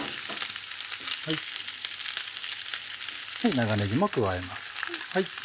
長ねぎも加えます。